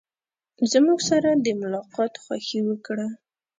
زموږ سره د ملاقات خوښي وکړه.